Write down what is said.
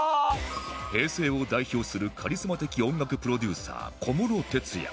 平成を代表するカリスマ的音楽プロデューサー小室哲哉